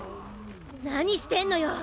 何してんのよ！